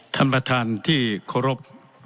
ท่านประธานที่เคารพ